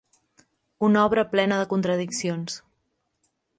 Una obra plena de contradiccions.